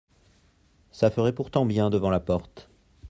Ca ferait pourtant bien devant la porte.